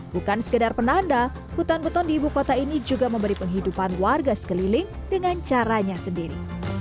bukan sekedar penanda hutan beton di ibu kota ini juga memberi penghidupan warga sekeliling dengan caranya sendiri